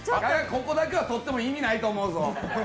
ここだけは撮っても意味ないと思うぞ。